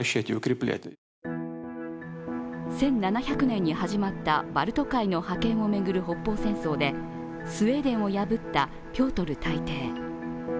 １７００年に始まったバルト海の覇権を巡る北方戦争でスウェーデンを破ったピョートル大帝。